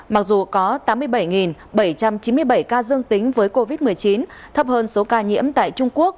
mặc dù có tám mươi bảy bảy trăm chín mươi bảy ca dương tính với covid một mươi chín thấp hơn số ca nhiễm tại trung quốc